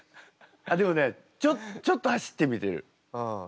あっでもねちょちょっと走ってみてる。